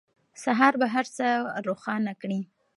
سهار به هر څه روښانه کړي.